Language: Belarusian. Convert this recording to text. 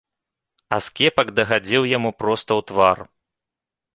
Аскепак дагадзіў яму проста ў твар.